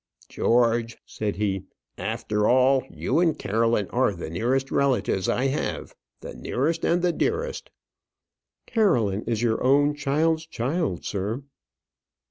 "George," said he, "after all, you and Caroline are the nearest relatives I have; the nearest and the dearest." "Caroline is your own child's child, sir."